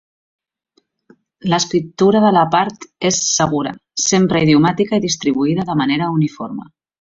L'escriptura de la part és segura, sempre idiomàtica i distribuïda de manera uniforme.